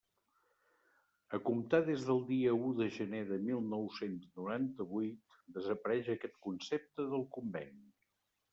A comptar des del dia u de gener de mil nou-cents noranta-vuit, desapareix aquest concepte del Conveni.